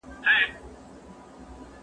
بوټونه پاک کړه.